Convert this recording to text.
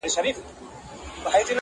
لاس دي راکه چي مشکل دي کړم آسانه-